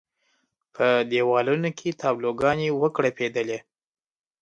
په دېوالونو کې تابلو ګانې وکړپېدلې.